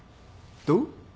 どう？